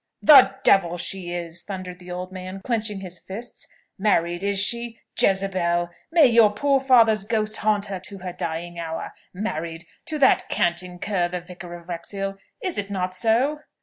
"The devil she is!" thundered the old man, clenching his fists. "Married, is she? Jezebel! May your poor father's ghost haunt her to her dying hour! Married! To that canting cur the Vicar of Wrexhill? Is it not so?"